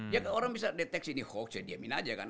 ya orang bisa deteksi ini hoax ya diamin aja kan